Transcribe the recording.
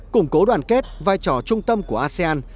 củng cố đoàn kết vai trò trung tâm của asean